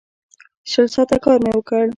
شل ساعته کار مې وکړ.